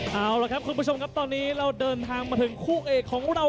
เอาละครับคุณผู้ชมครับตอนนี้เราเดินทางมาถึงคู่เอกของเรา